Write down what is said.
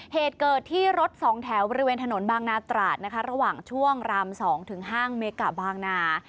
เหตุเกิดที่รถสองแถวบริเวณถนนบางนาตราดนะคะระหว่างช่วงราม๒ถึงห้างเมกะบางนา